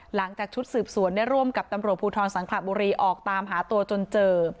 หลังจากชุดสืบสวนได้ร่วมกับตำรวจภูทรสังขระบุรีออกตามหาตัวจนเจอ